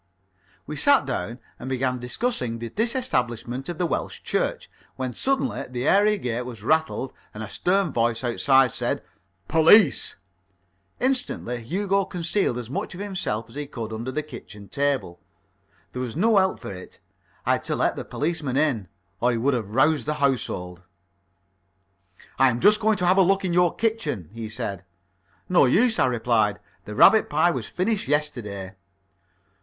We sat down and began discussing the Disestablishment of the Welsh Church, when suddenly the area gate was rattled and a stern voice outside said "Police." Instantly, Hugo concealed as much of himself as he could under the kitchen table. There was no help for it. I had to let the policeman in, or he would have roused the household. "I'm just going to have a look in your kitchen," he said. "No use," I replied. "The rabbit pie was finished yesterday."